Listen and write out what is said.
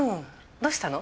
どうしたの？